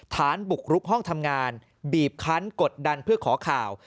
ฐานบุกรุกห้องทำงานบีบคันกดดันเพื่อขอข่าว